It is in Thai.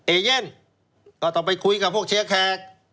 เอเย่นก็ต้องไปคุยกับพวกเชียร์แขก